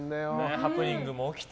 ハプニングも起きて。